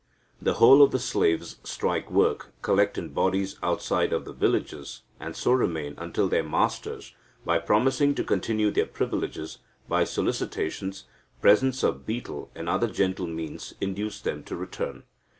The whole of the slaves strike work, collect in bodies outside of the villages, and so remain until their masters, by promising to continue their privileges, by solicitations, presents of betel, and other gentle means, induce them to return.